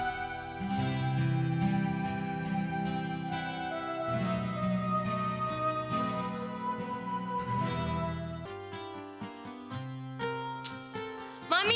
bahkan lu suka ngambek